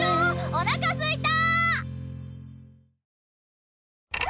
おなかすいた！